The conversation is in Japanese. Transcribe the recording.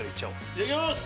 いただきます！